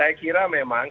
saya kira memang